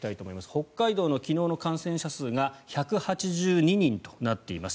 北海道の昨日の感染者数が１８２人となっています。